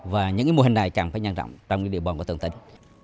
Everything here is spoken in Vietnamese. và những mô hình này chẳng phải nhận rộng trong địa bòn của tổng tỉnh